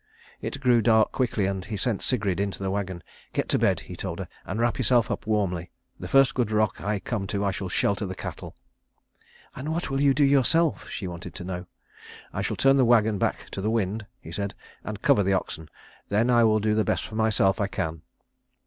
It grew dark quickly, and he sent Sigrid into the wagon. "Get to bed," he told her, "and wrap yourself up warmly. The first good rock I come to I shall shelter the cattle." "And what will you do yourself?" she wanted to know. "I shall turn the wagon back to the wind," he said, "and cover the oxen. Then I will do the best for myself I can."